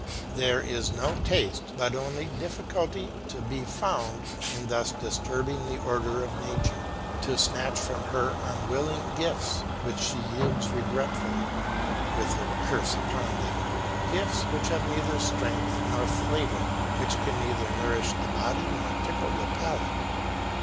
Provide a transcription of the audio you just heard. There is no taste but only difficulty to be found in thus disturbing the order of nature; to snatch from her unwilling gifts, which she yields regretfully, with her curse upon them; gifts which have neither strength nor flavour, which can neither nourish the body nor tickle the palate.